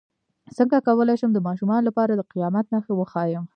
څنګه کولی شم د ماشومانو لپاره د قیامت نښې وښایم